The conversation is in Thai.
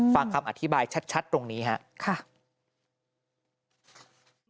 ฟังคำอธิบายชัดตรงนี้ครับ